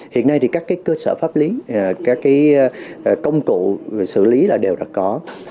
hiện nay thì các cơ sở pháp lý các công cụ xử lý là đều đã có